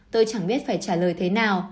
tôi chẳng biết phải trả lời thế nào